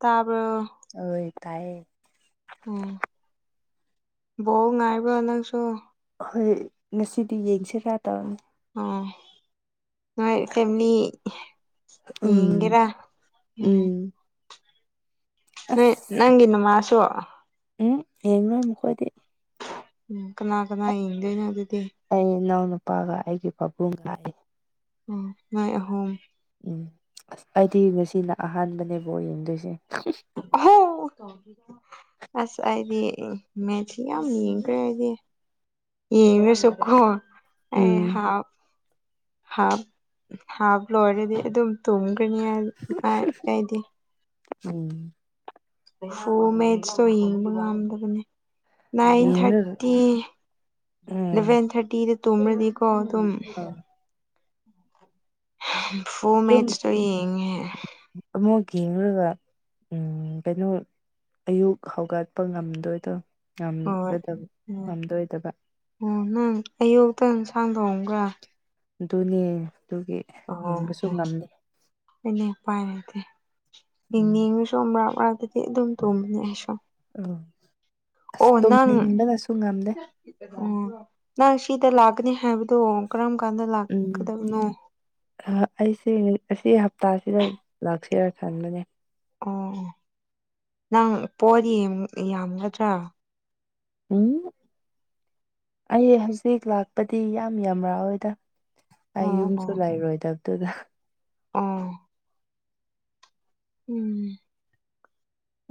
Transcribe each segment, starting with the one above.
ꯇꯥꯕ꯭ꯔꯣ ꯑꯣꯏ ꯇꯥꯏꯌꯦ ꯎꯝ ꯕꯣꯜ ꯉꯥꯏꯕ ꯅꯪꯁꯨ ꯍꯣꯏ ꯉꯁꯤꯗꯤ ꯌꯦꯡꯁꯤꯔꯥ ꯇꯧꯕꯅꯤ ꯎꯝ ꯅꯣꯏ ꯐꯦꯝꯂꯤ ꯎꯝ ꯌꯦꯡꯒꯦꯔ ꯎꯝ ꯑ ꯑꯁ ꯅꯪꯒꯤ ꯅꯃꯥꯁꯨ ꯎꯝ ꯌꯦꯡꯔꯣꯏ ꯃꯈꯣꯏꯗꯤ ꯎꯝ ꯀꯅꯥ ꯀꯅꯥ ꯌꯦꯡꯗꯣꯏꯅꯣ ꯑꯗꯨꯗꯤ ꯑꯩ ꯏꯅꯥꯎꯅꯨꯄꯥꯒ ꯑꯩꯒꯤ ꯄꯥꯕꯨꯡ ꯂꯥꯛꯏ ꯑꯣ ꯅꯣꯏ ꯑꯍꯨꯝ ꯎꯝ ꯑꯁ ꯑꯩꯗꯤ ꯉꯁꯤꯅ ꯑꯍꯥꯟꯕꯅꯦ ꯕꯣꯜ ꯌꯦꯡꯗꯣꯏꯁꯦ ꯍ [unintelligible] ꯑꯁ ꯑꯩꯗꯤ ꯃꯦꯠꯁ ꯌꯥꯝ ꯂꯤꯡꯈ꯭ꯔꯦ ꯑꯩꯗꯤ ꯌꯦꯡꯔꯁꯨꯒꯣ ꯑꯩ ꯎꯝ ꯍꯥꯞ ꯍꯥꯞ ꯍꯥꯞ ꯂꯣꯏꯔꯗꯤ ꯑꯗꯨꯝ ꯇꯨꯝꯒ꯭ꯔꯅꯤ ꯑꯩꯗꯤ ꯎꯝ ꯐꯨꯜ ꯃꯦꯠꯁꯇꯣ ꯌꯦꯡꯕ ꯉꯝꯗꯕꯅꯦ ꯅꯥꯏꯟ ꯌꯦꯡꯔꯒ ꯊꯥꯔꯇꯤ ꯎꯝ ꯏꯂꯚꯦꯟ ꯊꯥꯔꯇꯤꯗ ꯇꯨꯝ꯭ꯔꯗꯤꯀꯣ ꯑꯗꯨꯝ ꯑꯝ ꯐꯣꯔ ꯑꯗꯨꯝ ꯃꯦꯠꯁꯇꯣ ꯌꯦꯡꯉꯦ ꯑꯃꯨꯛ ꯌꯦ ꯌꯦꯡꯂꯡꯒ ꯎꯝ ꯀꯩꯅꯣ ꯑꯌꯨꯛ ꯍꯧꯒꯠꯄ ꯉꯝꯗꯣꯏꯗꯣ ꯍꯣꯏ ꯉꯝꯒꯗꯕ ꯉꯝꯗꯣꯏꯗꯒ ꯑꯣ ꯅꯪ ꯑꯌꯨꯛꯇ ꯌꯦꯟꯁꯥꯡ ꯊꯣꯡꯕꯔꯥ ꯑꯗꯨꯅꯦ ꯑꯗꯨꯒꯤ ꯑꯣ ꯌꯦꯡꯕꯁꯨ ꯑꯣ ꯉꯝꯗꯦ ꯍꯣꯏꯅꯦ ꯎꯄꯥꯏ ꯂꯩꯇꯦ ꯎꯝ ꯌꯦꯡꯅꯤꯡꯂꯁꯨ ꯃꯔꯛ-ꯃꯔꯛ ꯇꯗꯤ ꯑꯗꯨꯝ ꯇꯨꯝꯕꯅꯦ ꯑꯩ ꯁꯨ ꯑꯣ ꯑꯣ ꯅꯪ ꯑꯣ ꯅꯪ ꯁꯤꯗ ꯂꯥꯛꯀꯅꯤ ꯍꯥꯏꯕ ꯑꯗꯣ ꯀꯔꯝ ꯀꯥꯟꯗ ꯎꯝ ꯂꯥꯛꯀꯗꯕꯅꯣ ꯑꯩꯁꯦ ꯑꯁꯤ ꯍꯞꯇꯥꯁꯤꯗ ꯂꯥꯛꯁꯔ ꯈꯟꯕꯅꯦ ꯑꯣ ꯅꯪ ꯄꯣꯠ ꯌꯦꯝ ꯌꯥꯝꯒꯗ꯭ꯔꯥ ꯎꯝ ꯑꯩ ꯍꯧꯖꯤꯛ ꯂꯥꯛꯄꯗꯤ ꯌꯥꯝ ꯌꯥꯝꯔꯥꯑꯣꯏꯗ ꯑꯩ ꯑꯣ ꯌꯨꯝꯁꯨ ꯂꯩꯔꯣꯏꯗꯕꯗꯨꯗ ꯑꯥ ꯎꯝ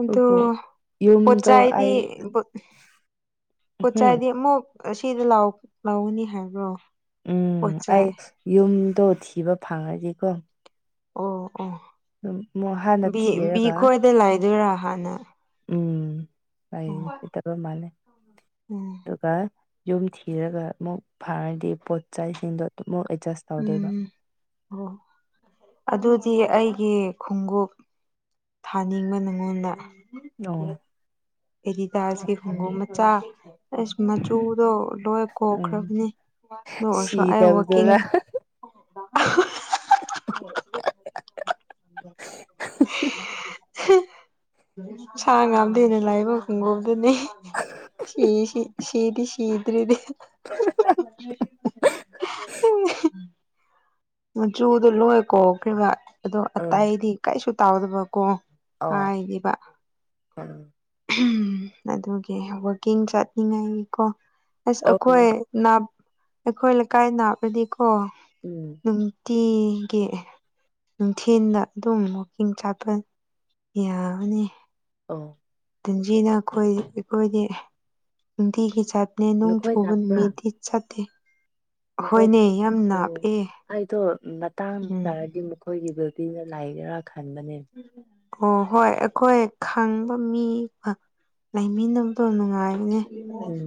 ꯑꯗꯨ ꯑꯗꯨꯕꯨ ꯌꯨꯝꯗꯣ ꯄꯆꯥꯏꯗꯤ ꯑꯩ ꯎꯝ ꯄꯆꯥꯏꯗꯤ ꯑꯃꯨꯛ ꯁꯤꯗꯤ ꯂ ꯂꯧꯒꯅꯤ ꯍꯥꯏꯕ꯭ꯔꯣ ꯎꯝ ꯄꯣꯠꯆꯩ ꯑꯩ ꯌꯨꯝꯗꯣ ꯊꯤꯕ ꯐꯪꯉꯗꯤꯀꯣ ꯑꯣ ꯑꯣ ꯑꯗꯨꯝ ꯑꯃꯨꯛ ꯍꯥꯟꯅ ꯕꯤ ꯕꯤ ꯊꯤꯔꯒ ꯈꯣꯏꯗ ꯂꯥꯏꯗꯣꯏꯔꯥ ꯍꯥꯟꯅ ꯎꯝ ꯑꯩ ꯑꯣ [unintelligible] ꯃꯥꯜꯂꯦ ꯎꯝ [unintelligible] ꯌꯨꯝ ꯊꯤꯔꯒ ꯑꯃꯨꯛ ꯐꯥꯔꯗꯤ ꯄꯣꯠ ꯆꯩꯁꯤꯡꯗꯣ ꯗꯨꯃꯨ ꯑꯦꯗꯖꯦꯁ ꯎꯝ ꯑꯣ ꯑꯗꯨꯗꯤ ꯑꯩꯒꯤ ꯈꯣꯡꯎꯞ ꯊꯥꯅꯤꯡꯕ ꯅꯉꯣꯟꯗ ꯑꯧ ꯑꯦꯗꯤꯗꯥꯁꯀꯤ ꯈꯨꯡꯒꯨꯞ ꯃꯆꯥ ꯑꯩꯁ ꯃꯆꯨꯗꯣ ꯂꯣꯏ ꯎꯝ ꯀꯣꯛꯈ꯭ꯔꯕꯅꯦ ꯗꯨ ꯑꯣꯏꯔꯁꯨ ꯑꯩ ꯋꯥꯀꯤꯡ ꯁꯤꯗꯕꯗꯨꯔ [inaudible] ꯁꯥ ꯉꯥꯝꯗ ꯍꯦꯟꯅ ꯂꯥꯏꯕ ꯈꯨꯡꯒꯣꯞꯗꯨꯅꯤ [inaudible] ꯁꯤ ꯁꯤ ꯁꯤꯗꯤ ꯁꯗ꯭ꯔꯗꯤ ꯃꯆꯨꯗꯣ ꯂꯣꯏ ꯀꯣꯈ꯭ꯔꯤꯕ ꯑꯗꯣ ꯎꯝ ꯑꯇꯩꯗꯤ ꯀꯔꯤꯁꯨ ꯇꯥꯎꯗꯕ ꯀꯣ ꯀꯤꯕ [inaudible] ꯍ [inaudible] ꯑꯗꯨꯒꯤ ꯋꯥꯛꯀꯤꯡ ꯆꯠꯅꯤꯡꯉꯥꯏꯒꯤꯀꯣ ꯑꯁ ꯑ ꯑꯩꯈꯣꯏ ꯅꯥ ꯑꯩꯈꯣꯏ ꯂꯩꯀꯥꯏ ꯅꯥꯞꯂꯗꯤꯀꯣ ꯎꯝ ꯅꯨꯡꯇꯤꯒꯤ ꯅꯨꯡꯊꯤꯟꯗ ꯑꯗꯨꯝ ꯋꯥꯛꯀꯤꯡ ꯆꯥꯠꯄ ꯌꯥꯅꯤ ꯑꯣ ꯇꯤꯟꯖꯤꯅ ꯑꯈꯣꯏ ꯑꯩꯈꯣꯏꯗꯤ ꯅꯨꯡꯇꯤꯒꯤ ꯆꯠꯅꯦ ꯅꯨꯡ ꯅꯈꯣꯏ ꯆꯨꯕ ꯅꯛꯄ꯭ꯔꯥ ꯅꯨꯃꯤꯠꯇꯤ ꯆꯠꯇꯦ ꯅꯈꯣꯏ ꯍꯣꯏꯅꯦ ꯌꯥꯝ ꯑꯣ ꯅꯥꯞꯑꯦ ꯑꯩꯗꯣ ꯃꯇꯥꯡ ꯎꯝ ꯆꯥꯔꯗꯤ ꯈꯣꯏꯒꯤ ꯕꯤꯜꯗꯤꯡꯗ ꯂꯥꯏꯒꯦꯔꯥ ꯈꯟꯕꯅꯦ ꯑꯣ ꯍꯣꯏ ꯑꯩꯈꯣꯏ ꯈꯪꯕ ꯃꯤ ꯂꯩꯃꯤꯟꯅꯕꯗꯣ ꯅꯨꯡꯉꯥꯏꯕꯅꯦ ꯎꯝ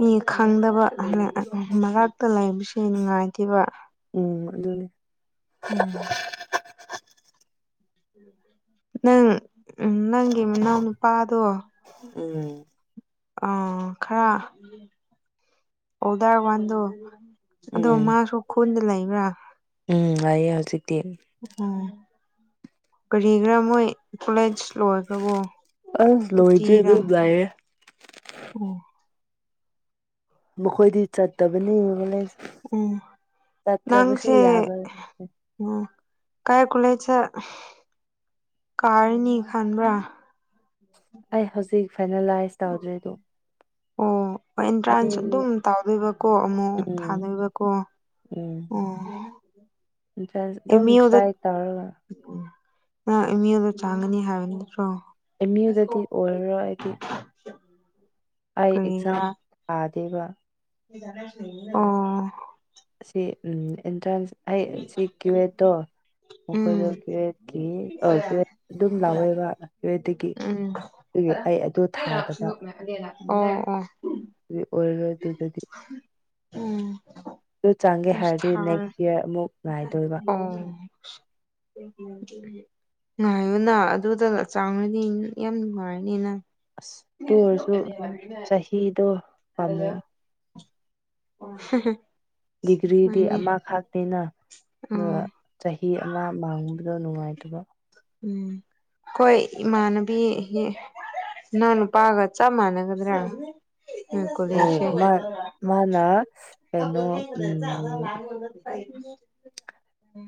ꯃꯤ ꯈꯪꯗꯕ ꯃꯔꯛꯇ ꯂꯩꯕꯁꯦ ꯅꯨꯡꯉꯥꯏꯇꯦꯕ ꯎꯝ ꯑꯗꯨꯅꯦ ꯎꯝ ꯅꯪ ꯅꯪꯒꯤ ꯃꯅꯥꯎ ꯅꯨꯄꯥꯗꯣ ꯎꯝ ꯑ ꯈꯔ ꯑꯣꯗꯔ ꯋꯥꯟꯗꯣ ꯑꯗꯣ ꯎꯝ ꯃꯥꯁꯨ ꯈꯨꯟꯗ ꯂꯩꯕ꯭ꯔꯥ ꯎꯝ ꯑꯩꯌꯦ ꯍꯧꯖꯤꯛꯇꯤ ꯎꯝ ꯀꯔꯤ ꯒꯤꯔ ꯃꯣꯏ ꯀꯣꯂꯦꯖ ꯂꯣꯏꯈ꯭ꯔꯕꯣ ꯁꯨꯇꯤꯔꯥ ꯂꯩꯔꯦ ꯎꯝ ꯃꯈꯣꯏꯗꯤ ꯆꯠꯇꯕꯅꯤ [unintelligible] ꯎꯝ ꯆꯠꯇ꯭ꯔꯕꯁꯨ ꯌꯥꯕ ꯎ ꯀꯥꯏ [unintelligible] ꯀꯥꯔꯅꯤ ꯈꯟꯕ꯭ꯔꯥ ꯑꯩ ꯍꯧꯖꯤꯛ ꯐꯥꯏꯅꯦꯂꯥꯏꯁ ꯇꯧꯗ꯭ꯔꯤꯗꯣ ꯑꯣ ꯑꯦꯟꯇ꯭ꯔꯥꯟꯁ ꯑꯗꯨꯝ ꯇꯧꯗꯣꯏꯕꯀꯣ ꯑꯃꯨꯛ ꯎꯝ ꯊꯥꯗꯣꯏꯕꯀꯣ ꯎꯝ ꯐ꯭ꯔꯦꯟꯁ ꯑꯗꯨꯝ ꯇ꯭ꯔꯥꯏ ꯇꯧꯔꯒ ꯎ ꯎꯝ ꯃꯤ ꯑꯗꯨꯗꯣ ꯆꯥꯡꯒꯅꯤ ꯍꯥꯏꯕꯅꯤ ꯅꯠꯇ꯭ꯔꯣ ꯑꯦꯝꯗꯗꯤ ꯑꯣꯏꯔꯔꯣꯏ ꯍꯥꯏꯗꯤ ꯎ ꯑꯩ ꯑꯦꯛꯖꯥꯝ ꯇꯥꯗꯦꯕ ꯑꯥ ꯁꯤ ꯎꯝ ꯑꯦꯟꯇ꯭ꯔꯥꯟꯁ ꯍ ꯁꯤ ꯀ꯭ꯌꯨꯋꯦꯠꯇꯣ ꯃꯈꯣꯏꯗꯣ ꯎꯝ ꯒ꯭ꯔꯦꯠꯀꯤ ꯒ꯭ꯔꯦꯠ ꯑꯗꯨꯝ ꯂꯥꯎꯋꯦꯕ ꯀꯦꯒꯤ ꯎꯝ ꯑꯗꯨꯒꯤ ꯑꯩ ꯑꯗꯨꯗ ꯊꯥꯗꯕ ꯎꯝ ꯎꯝ ꯑꯗꯨ ꯑꯣꯏꯔꯔꯣꯏ ꯑꯗꯨꯗꯗꯤ ꯎꯝ ꯑꯗꯨ ꯆꯪꯒꯦ ꯍꯥꯏꯔꯗꯤ ꯊꯥꯔ ꯅꯦꯛꯁ ꯌꯥꯔ ꯑꯃꯨꯛ ꯉꯥꯏꯗꯣꯏꯕ ꯎ ꯉꯥꯏꯌꯨꯅ ꯑꯗꯨꯗ ꯆꯥꯡꯔꯅꯤ ꯌꯥꯝ ꯅꯨꯡꯉꯥꯏꯔꯅꯤ ꯅꯪ ꯑꯁꯇ ꯑꯣꯏꯔꯁꯨ ꯆꯍꯤꯗꯣ ꯄꯥꯝꯃꯨ ꯑꯣ ꯍ ꯍ ꯗꯤꯒ꯭ꯔꯤꯗꯤ ꯑꯃꯈꯥꯛꯅꯤꯅ ꯑꯗꯣ ꯑꯥ ꯆꯍꯤ ꯑꯃ ꯃꯥꯡꯕꯗꯣ ꯅꯨꯡꯉꯥꯏꯇꯕ ꯎꯝ ꯍꯣꯏ ꯏꯃꯥꯟꯅꯕꯤ ꯅꯅꯥꯎ ꯅꯨꯄꯥꯒ ꯆꯞ ꯃꯥꯟꯅꯒꯗ꯭ꯔꯥ ꯀꯣꯂꯦꯖꯠ ꯍꯣꯏ ꯁꯦ ꯃꯥ ꯃꯥꯅ ꯀꯩꯅꯣ ꯎꯝ ꯑꯩ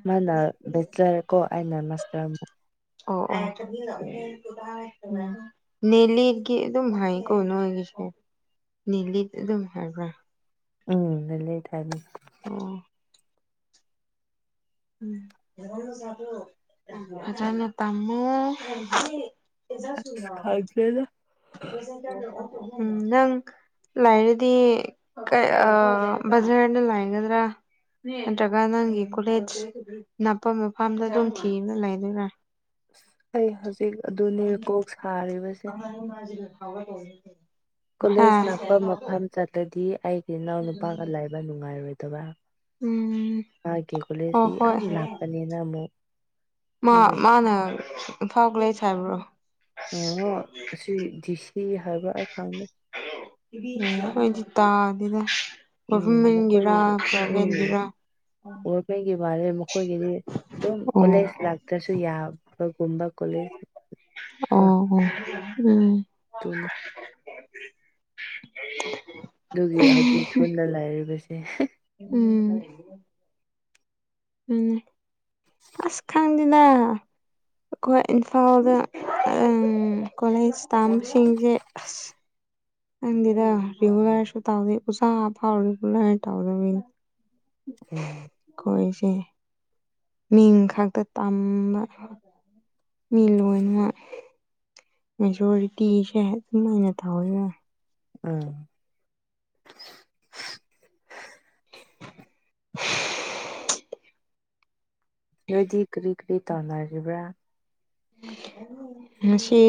ꯃꯥꯅ ꯕꯦꯆꯂꯔ ꯀꯣ ꯑꯩꯅ ꯃꯥꯁꯇꯔ ꯑꯃꯨꯛ ꯑꯣ ꯅꯦꯂꯤꯠꯒꯤ ꯑꯗꯨꯝ ꯍꯥꯏ ꯀꯣ ꯅꯣꯒꯤꯁꯦ ꯅꯦꯂꯤꯠ ꯑꯗꯨꯝ ꯍꯥꯏꯕ꯭ꯔꯥ ꯎꯝ ꯂꯩ ꯂꯩ ꯊꯅ ꯑꯣꯝ ꯐꯅ ꯇꯃꯣ ꯑꯦꯖꯁꯇꯨꯔꯣ ꯂꯩꯗ ꯎꯝ ꯅꯪ ꯂꯥꯏꯔꯗꯤ ꯕꯖꯥꯔꯅ ꯂꯥꯏꯒꯗ꯭ꯔꯥ ꯅꯠꯇ꯭ꯔꯒ ꯅꯪꯒꯤ ꯀꯣꯂꯦꯖ ꯅꯥꯄ ꯃꯐꯝꯗ ꯑꯗꯨꯝ ꯊꯤꯅ ꯂꯩꯗꯣꯏꯔꯥ ꯑꯁ ꯑꯩ ꯍꯧꯖꯤꯛ ꯑꯗꯨꯅꯦ ꯀꯣꯛ ꯁꯥꯔꯤꯕꯁꯦ ꯍꯥꯒꯗꯣꯏꯔꯤ ꯀꯣꯂꯦꯖ ꯂꯥꯛꯄ ꯃꯐꯝ ꯆꯠꯂꯗꯤ ꯑꯩꯒꯤ ꯏꯅꯥꯎ ꯅꯨꯨꯄꯥꯒ ꯂꯩꯕ ꯅꯨꯡꯉꯥꯏꯔꯣꯏꯗꯕ꯭ꯔꯥ ꯎꯝ ꯃꯥꯒꯤ ꯀꯣꯂꯦꯁꯤ ꯑꯣ ꯌꯥꯝ ꯍꯣꯏ ꯂꯥꯞꯄꯅꯤꯗ ꯑꯃꯨꯛ ꯑꯗꯨꯒꯤ ꯃꯥꯅ ꯏꯝꯐꯥꯎ ꯂꯩꯁ ꯍꯥꯏꯕ꯭ꯔꯣ ꯑꯣ ꯑꯁꯤ ꯗꯤ ꯁꯤ ꯍꯥꯏꯕ ꯑꯩ ꯈꯪꯗꯦ ꯇꯗꯦꯗ ꯎꯝ ꯒꯣꯚꯃꯦꯟꯒꯤꯔ ꯃꯈꯣꯏꯒꯤꯗꯤ ꯄ꯭ꯔꯥꯏꯚꯦꯠꯒꯤꯔ ꯑꯩꯈꯣꯏꯒꯤ ꯃꯂꯦ ꯃꯈꯣꯏꯒꯤꯗꯤ ꯑꯗꯨꯝ ꯑꯣ ꯀꯣꯂꯦꯖ ꯂꯥꯛꯇ꯭ꯔꯁꯨ ꯌꯥꯕꯒꯨꯝꯕ ꯀꯣꯂꯦꯖ ꯑꯣ ꯑꯣ ꯎꯝ ꯅꯤ ꯑꯗꯨꯒꯤ ꯍꯧꯖꯤꯛꯈꯨꯜꯗ ꯂꯩꯔꯤꯕꯁꯤ ꯎꯝ ꯎꯝ ꯑꯁ ꯈꯪꯗꯅ ꯑꯩꯈꯣꯏ ꯏꯝꯐꯥꯜꯗ ꯀꯣꯂꯦꯖꯇꯥꯥꯝꯁꯤꯡꯁꯦ ꯑꯁ ꯈꯪꯗꯦꯗ ꯔꯤꯒꯨꯂꯔꯁꯨ ꯇꯥꯎꯗꯦ ꯎꯁꯥ ꯐꯥꯎꯔꯤꯒꯨꯂꯔ ꯇꯗꯦ ꯎꯝ ꯀꯣꯏꯁꯦ ꯃꯤꯡ ꯈꯛꯇ ꯇꯝꯕ ꯃꯤ ꯂꯣꯏꯅ ꯃꯦꯖꯣꯔꯤꯇꯤꯁꯦ ꯑꯗꯨꯝꯥꯏꯅ ꯇꯧꯋꯤ ꯎꯝ ꯅꯣꯏꯗꯤ ꯀꯔꯤ ꯀꯔꯤ ꯇꯧꯅꯔꯤꯕ꯭ꯔꯥ ꯃꯁꯤ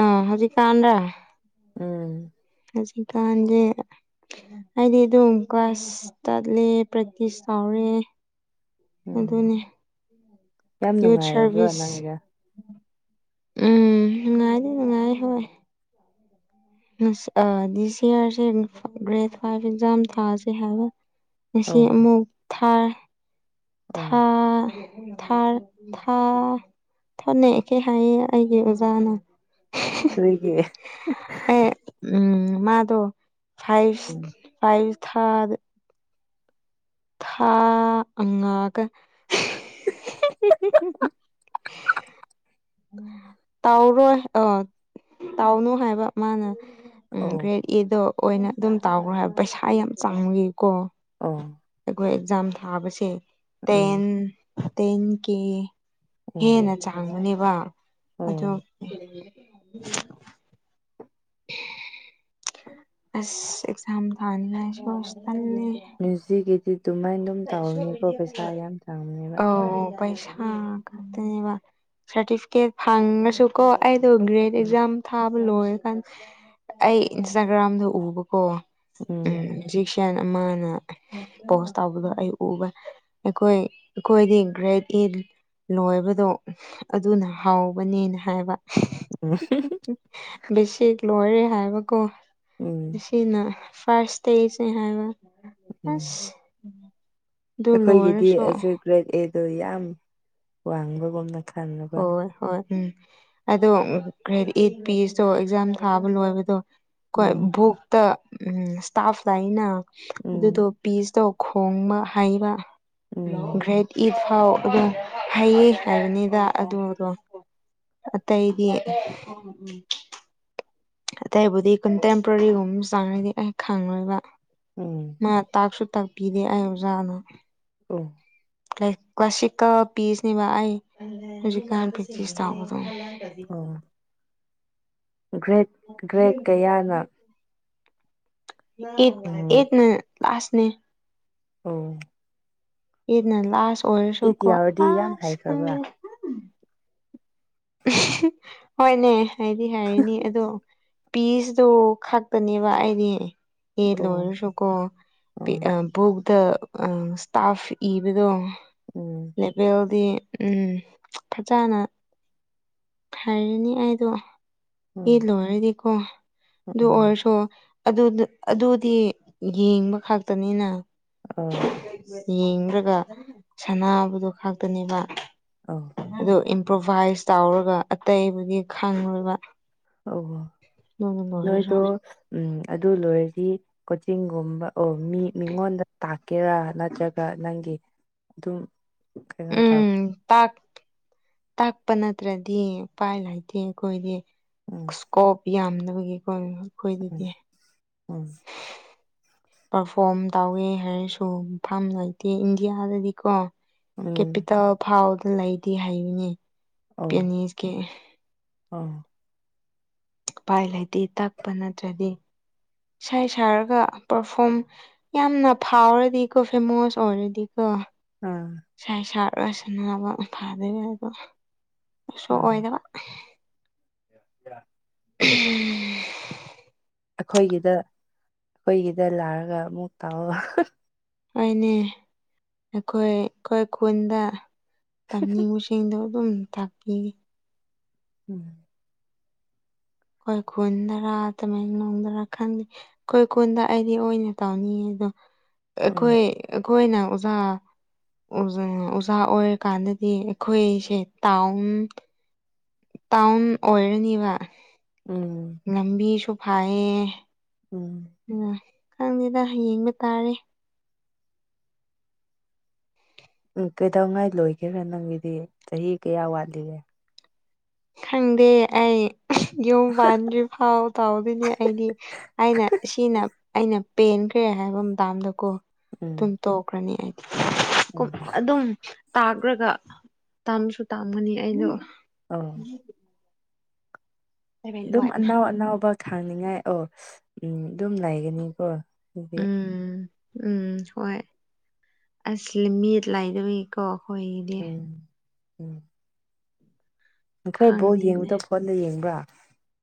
ꯑ ꯍꯧꯖꯤꯛꯀꯥꯟꯗ ꯎꯝ ꯉꯁꯤ ꯀꯥꯟꯖꯦ ꯑꯩꯗꯤ ꯑꯗꯨꯝ ꯀ꯭ꯂꯥꯁ ꯆꯠꯂꯦ ꯄ꯭ꯔꯦꯛꯇꯤꯁ ꯇꯧꯔꯦ ꯎꯝ ꯑꯗꯨꯅꯦ ꯌꯥꯝ ꯌꯨꯠ ꯅꯨꯡꯉꯥꯏꯔꯕ꯭ꯔꯣ ꯁꯥꯔꯚꯤꯁ ꯅꯪꯒꯤꯗ ꯎꯝ ꯅꯨꯡꯉꯥꯏꯗꯤ ꯅꯨꯡꯉꯥꯏ ꯍꯣꯢ ꯗꯤꯁ ꯌꯦꯔꯁꯦ ꯒ꯭ꯔꯦꯠ ꯐꯥꯏꯚ ꯑꯦꯛꯖꯥꯝ ꯊꯥꯁꯤꯦ ꯍꯥꯏꯕ ꯉꯁꯤ ꯑꯣ ꯑꯃꯨꯛ ꯊꯥꯏ ꯑꯣ ꯊꯥ ꯊ ꯊꯥ ꯊꯣꯠꯅꯩ ꯀꯩ ꯍꯥꯏꯌꯦ ꯑꯩꯒꯤ ꯑꯣꯖꯥꯅ ꯀꯔꯤꯒꯤ ꯑꯦ ꯎꯝ ꯃꯥꯗ ꯐꯥꯏꯚ ꯎꯝ ꯐꯥꯏꯚ ꯊꯥꯗ ꯊꯥ ꯑꯉꯥꯡꯒ [unintelligible] ꯇꯥꯎꯔꯣꯏ ꯑ ꯇꯥꯎꯅꯨ ꯍꯥꯏꯕ ꯃꯥꯅ ꯎꯝ ꯑꯣ ꯒ꯭ꯔꯦꯠ ꯑꯦꯗꯣ ꯑꯣꯏꯅ ꯑꯗꯨꯝ ꯇꯧꯈ꯭ꯔꯣ ꯍꯥꯏꯕ ꯄꯩꯁꯥ ꯌꯥꯝ ꯆꯥꯡꯏꯀꯣ ꯑꯣ ꯑꯩꯈꯣꯏ ꯑꯦꯛꯖꯥꯝ ꯊꯥꯕꯁꯦ ꯇꯦꯟ ꯎꯝ ꯇꯦꯟ ꯀꯦ ꯍꯦꯟꯅ ꯑꯣ ꯆꯥꯡꯕꯅꯦꯕ ꯑꯗꯣ ꯑꯣ ꯑꯁ ꯑꯦꯛꯖꯥꯝ ꯊꯥꯅꯤ ꯍꯥꯏ ꯁꯣꯁꯇꯅꯤ ꯃ꯭ꯌꯨꯖꯤ ꯏꯗꯤ ꯇꯨꯃꯥꯏꯅ ꯑꯧ ꯄꯩꯁꯥ ꯈꯥꯇꯅꯦꯕ ꯁꯥꯔꯇꯤꯐꯤꯀꯦꯠ ꯐꯪꯉꯁꯨ ꯀꯣ ꯑꯩꯗꯣ ꯒ꯭ꯔꯦꯗ ꯎꯝ ꯑꯦꯛꯖꯥꯝ ꯊꯥꯕ ꯂꯣꯏꯔꯀꯥꯟꯗ ꯑꯩ ꯏꯟꯁꯇꯥꯒ꯭ꯔꯥꯝꯗ ꯎꯕꯀꯣ ꯎꯝ ꯍꯧꯖꯤꯛꯁꯤꯌꯥꯟ ꯑꯃꯅ ꯄꯣꯁ ꯇꯧꯕꯗꯣ ꯑꯩ ꯎꯕ ꯑꯩꯈꯣꯏ ꯑꯩꯈꯣꯏꯗꯤ ꯒ꯭ꯔꯦꯠ ꯏ ꯂꯣꯏꯕꯗꯣ ꯑꯗꯨꯅ ꯍꯥꯎꯕꯅꯦꯅ ꯍꯥꯏꯕ [unintelligible] ꯕꯦꯁꯤ ꯂꯣꯏꯔꯦ ꯍꯥꯏꯕꯀꯣ ꯎꯝ ꯁꯤꯅ ꯐꯥꯔꯁ ꯏꯁꯇꯦꯖꯅꯤ ꯍꯥꯏꯕ ꯎꯝ ꯑꯁ ꯑꯗꯨ ꯑꯩꯈꯣꯏꯒꯤꯗꯤ ꯂꯣꯏꯔꯁꯨ ꯑ ꯒ꯭ꯔꯦꯗ ꯑꯦꯗꯣ ꯌꯥꯝ ꯋꯥꯡꯕꯒꯨꯝꯅ ꯈꯟꯂꯕ ꯍꯣꯏ ꯍꯣꯏ ꯎꯝ ꯑꯗꯣ ꯀ꯭ꯔꯦꯗꯤ ꯑꯩꯠ ꯄꯤꯁꯇꯣ ꯑꯦꯛꯖꯥꯝ ꯊꯥꯕ ꯂꯣꯏꯕꯗꯣ ꯀꯣꯏ ꯎꯝ ꯕꯨꯛ ꯁꯇꯥꯐ ꯂꯩꯅ ꯑꯗꯨꯗꯣ ꯎꯝ ꯄꯤꯁꯇꯣ ꯈꯣꯡꯕ ꯍꯩꯕ ꯎꯝ ꯒ꯭ꯔꯦꯠ ꯏꯠ ꯐꯥꯎ ꯑꯗꯨꯝ ꯍꯩꯌꯦ ꯍꯥꯏꯕꯅꯤꯗ ꯑꯗꯨꯗꯣ ꯑꯇꯩꯗꯤ ꯎꯝ ꯑꯇꯩꯕꯨꯗꯤ ꯀꯟꯇꯦꯝꯄꯔꯔꯤꯒꯨꯝꯕ ꯆꯪꯉꯩꯗꯤ ꯑꯩ ꯈꯪꯑꯣꯏꯕ ꯎꯝ ꯃꯥ ꯇꯥꯛꯁꯨ ꯇꯥꯛꯄꯤꯔꯦ ꯑꯩ ꯑꯣꯖꯥꯅ ꯎꯝ ꯂꯥꯏꯔꯤꯛ ꯀꯂꯥꯁꯤꯀꯜ ꯄꯤꯁꯅꯦꯕ ꯑꯩ ꯍꯧꯖꯤꯛꯀꯥꯟ ꯄ꯭ꯔꯦꯛꯇꯤꯁ ꯇꯥꯎꯕꯗꯅꯤ ꯑꯣ ꯒ꯭ꯔꯦꯠ ꯒ꯭ꯔꯦꯠ ꯀꯌꯥꯅ ꯑꯦꯠ ꯎꯝ ꯑꯦꯠ ꯅ ꯂꯥꯁꯅꯦ ꯑꯣ ꯑꯦꯠꯅ ꯂꯥꯁ ꯏꯠ ꯑꯣꯏꯔꯁꯨꯀꯣ ꯌꯥꯎꯔꯗꯤ ꯌꯥꯝ ꯑꯁ ꯈꯪꯗꯦ ꯍꯩꯈ꯭ꯔꯕ꯭ꯔꯥ ꯍꯣꯏꯅꯦ ꯑꯩꯗꯤ ꯍꯥꯏꯔꯤꯅꯤ ꯑꯗꯣ ꯄꯤꯖꯗꯣ ꯈꯛꯄꯅꯦꯕ ꯑꯩꯗꯤ ꯌꯦ ꯑꯣ ꯂꯣꯏꯔꯁꯨꯀꯣ ꯑꯣ ꯕꯨꯛꯇ ꯑ ꯏꯁꯇꯥꯐ ꯏꯕꯗꯣ ꯎꯝ ꯂꯦꯚꯦꯜꯗꯤ ꯎꯝ ꯐꯖꯅ ꯍꯥꯏꯔꯅꯤ ꯑꯩꯗꯣ ꯕꯤꯑꯦ ꯎꯝ ꯂꯣꯏꯔꯗꯤꯀꯣ ꯑꯗꯨ ꯎꯝ ꯑꯣꯏꯔꯁꯨ ꯑꯗꯨꯗꯨ ꯑꯗꯨꯗꯤ ꯌꯦꯡꯕ ꯈꯥꯛꯇꯅꯤꯅ ꯑꯥ ꯌꯦꯡꯗ꯭ꯔꯒ ꯁꯅꯥꯕꯗꯣ ꯈꯛꯇꯅꯦꯕ ꯑꯥꯎ ꯑꯗꯣ ꯏꯝꯄ꯭ꯔꯣꯚꯥꯏꯁ ꯇꯧꯔꯒ ꯑꯇꯩꯕꯨꯗꯤ ꯈꯪꯂꯕ ꯅꯣꯏꯗꯣ ꯎꯝ ꯑꯗꯨ ꯂꯣꯏꯔꯗꯤ ꯀꯣꯆꯤꯡꯒꯨꯝꯕ ꯑꯣ ꯃꯤ ꯃꯤꯉꯣꯟꯗ ꯇꯥꯛ ꯀꯦꯔꯥ ꯅꯠꯇ꯭ꯔꯒ ꯅꯪꯒꯤ ꯑꯗꯨꯝ ꯀꯩꯅꯣ ꯇꯧ ꯎꯝ ꯇꯥꯛ ꯇꯥꯛꯄ ꯅꯠꯇ꯭ꯔꯗꯤ ꯎꯄꯥꯏ ꯂꯩꯇꯦ ꯑꯩꯈꯣꯏꯗꯤ ꯎꯝ ꯏꯁꯀꯣꯞ ꯌꯥꯝꯗꯕꯒꯤꯀꯣ ꯑꯩꯈꯣꯏꯗꯗꯤ ꯎꯝ ꯎꯝ [unintelligible] ꯄꯔꯐꯣꯝ ꯇꯧꯋꯦ ꯍꯥꯏꯔꯁꯨ ꯃꯐꯝ ꯂꯩꯇꯦ ꯏꯟꯗꯤꯌꯥꯗꯗꯤꯀꯣ ꯎꯝ ꯀꯦꯄꯤꯇꯦꯜ ꯐꯥꯎꯗ ꯂꯩꯇꯦ ꯍꯥꯏꯔꯤꯅꯦ ꯑꯣ ꯄꯦꯅꯤꯁꯀꯤ ꯑꯣ ꯎꯄꯥꯏ ꯂꯩꯇꯦ ꯇꯥꯛꯄ ꯅꯠꯇ꯭ꯔꯗꯤ ꯏꯁ ꯁꯥꯔꯒ ꯄꯔꯐꯣꯝ ꯌꯥꯝꯅ ꯐꯥꯎꯔꯗꯤꯀꯣ ꯐꯦꯃꯣꯁ ꯑꯣꯏꯔꯗꯤꯀꯣ ꯑꯥ ꯏꯁꯥꯏ ꯁꯥꯛꯔ ꯁꯥꯅꯕ ꯐꯥꯗꯣꯏꯅꯦ ꯑꯗꯣ ꯑꯥ ꯁꯣꯛꯑꯣꯏꯗꯕ [unintelligible] ꯎꯝ ꯑꯈꯣꯏꯒꯤꯗ ꯑꯈꯣꯏꯒꯤꯗ ꯂꯥꯔꯒ ꯑꯃꯨꯛ ꯇꯧ ꯍꯣꯏꯅꯦ ꯅꯈꯣꯏ ꯑꯩꯈꯣꯏ ꯈꯨꯟꯗ ꯇꯝꯅꯤꯡꯕꯁꯤꯡꯗꯣ ꯑꯗꯨꯝ ꯇꯥꯛꯄꯤꯕ ꯎꯝ ꯈꯣꯏ ꯈꯨꯟꯗꯔ ꯇꯥꯃꯦꯡꯂꯣꯡꯗꯔ ꯈꯪꯗꯦ ꯈꯣꯏ ꯀꯨꯟꯗ ꯑꯩꯗꯤ ꯑꯣꯏꯅ ꯇꯧꯅꯤꯉꯦ ꯑꯗꯣ ꯎꯝ ꯑꯩꯈꯣꯏ ꯑꯩꯈꯣꯏꯅ ꯑꯣꯖꯥ ꯑꯣꯖꯥ ꯑꯣꯏꯔꯀꯥꯟꯗꯗꯤ ꯑꯩꯈꯣꯏꯁꯦ ꯇꯥꯎꯟ ꯇꯥꯎꯟ ꯑꯣꯏꯔꯅꯤꯕ ꯎꯝ ꯂꯝꯕꯤꯁꯨ ꯐꯩꯌꯦ ꯎꯝ ꯑꯝ ꯈꯪꯗꯦꯗ ꯌꯦꯡꯕ ꯇꯥꯔꯦ ꯎꯝ ꯀꯩꯗꯧꯉꯥꯏ ꯂꯣꯏꯒꯦꯔꯥ ꯅꯪꯒꯤꯗꯤ ꯆꯍꯤ ꯀꯌꯥ ꯋꯥꯠꯂꯤꯒꯦ ꯈꯪꯗꯦ ꯑꯩ ꯌꯨꯝ ꯄꯥꯟꯗ꯭ꯔꯤ ꯐꯥꯎ ꯇꯥꯎꯗꯣꯏꯅꯦ ꯑꯩꯗꯤ ꯑꯩꯅ ꯑꯁꯤꯅ ꯑꯩꯅ ꯄꯦꯟꯈ꯭ꯔꯦ ꯍꯥꯏꯕ ꯃꯇꯝꯗ ꯀꯣ ꯎꯝ ꯗꯨꯝ ꯇꯣꯛꯈ꯭ꯔꯅꯤ ꯑꯩꯗꯤ ꯀꯨꯝ ꯎꯝ ꯑꯗꯨꯝ ꯇꯥꯈ꯭ꯔꯒ ꯇꯝꯁꯨ ꯇꯥꯝꯒꯅꯤ ꯑꯩꯗꯣ ꯑꯣ [unintelligible] ꯑꯗꯨꯝ ꯑꯅꯥꯎ ꯑꯅꯥꯎꯕ ꯊꯥꯅꯤꯡꯉꯥꯏ ꯑꯣ ꯎꯝ ꯑꯗꯨꯝ ꯂꯩꯒꯅꯤꯀꯣ ꯑꯗꯨꯗꯤ ꯎꯝ ꯎꯝ ꯍꯣꯏ ꯑꯁ ꯂꯤꯃꯤꯠ ꯂꯩꯔꯣꯏ ꯀꯣ ꯈꯣꯏꯒꯤꯗꯤ ꯎꯝ ꯎꯝ ꯅꯈꯣꯏ ꯕꯣꯜ ꯈꯪꯗꯦꯅꯦ ꯌꯦꯡꯕꯗꯣ ꯐꯣꯟꯗ ꯌꯦꯡꯕ꯭ꯔꯥ